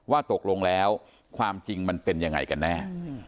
ว่าตกลงแล้วความจริงมันเป็นยังไงกันแน่